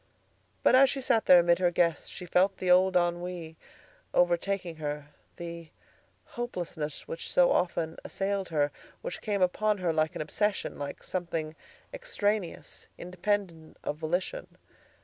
But as she sat there amid her guests, she felt the old ennui overtaking her; the hopelessness which so often assailed her, which came upon her like an obsession, like something extraneous, independent of volition.